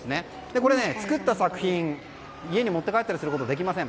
これ、作った作品を家に持って帰ったりすることできません。